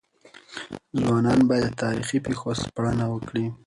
ځوانان بايد د تاريخي پېښو سپړنه وکړي.